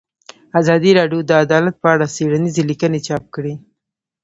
ازادي راډیو د عدالت په اړه څېړنیزې لیکنې چاپ کړي.